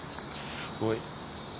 すごい。